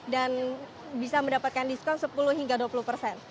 dan bisa mendapatkan diskon sepuluh hingga dua puluh persen